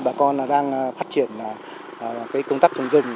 bà con đang phát triển công tác trồng rừng